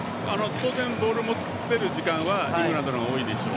当然、ボール持てる時間はイングランドの方が多いでしょう。